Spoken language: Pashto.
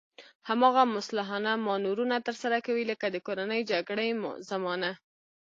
هماغه مسلحانه مانورونه ترسره کوي لکه د کورنۍ جګړې زمانه.